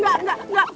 enggak enggak enggak